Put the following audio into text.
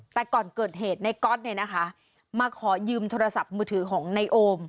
แต่ก่อนเกิดเหตุในก๊อตเนี่ยนะคะมาขอยืมโทรศัพท์มือถือของในโอม